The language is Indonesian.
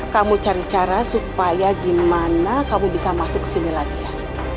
kamu cari cara supaya gimana kamu bisa masuk ke sini lagi ya